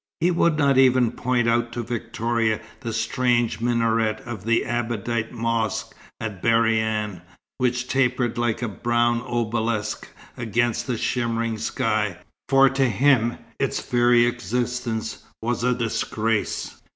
He would not even point out to Victoria the strange minaret of the Abadite mosque at Berryan, which tapered like a brown obelisk against the shimmering sky, for to him its very existence was a disgrace.